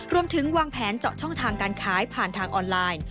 รวมถึงวางแผนเจาะช่องทางการขายผ่านทางออนไลน์